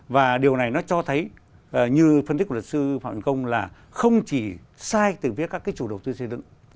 và điều này nó cho thấy như phân tích của luật sư phạm công là không chỉ sai từ phía các cái chủ đầu tư xây dựng